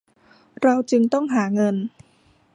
เราจึงต้องหาเงิน